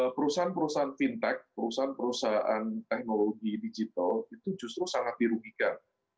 perusahaan perusahaan fintech perusahaan perusahaan teknologi digital itu justru sangat dirugikan